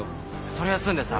それ休んでさ